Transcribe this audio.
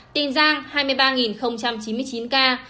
tình giang hai mươi ba chín mươi chín ca